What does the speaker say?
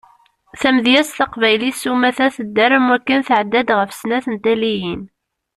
Tamedyazt taqbaylit sumata tedder am waken tɛedda-d ɣef snat n taliyin.